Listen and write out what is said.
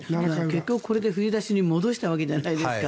結局、これで振り出しに戻したわけじゃないですか。